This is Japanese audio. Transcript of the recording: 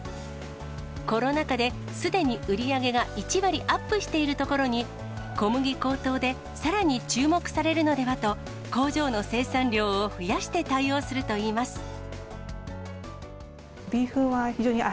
コロナ禍ですでに売り上げが１割アップしているところに、小麦高騰でさらに注目されるのではと、工場の生産量を増やして対応するといいます。